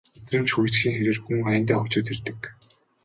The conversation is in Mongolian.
Мэдрэмж хөгжихийн хэрээр хүн аяндаа хөгжөөд ирдэг